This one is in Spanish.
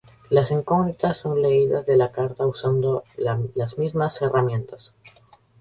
Las incógnitas son leídas de la carta usando las mismas herramientas.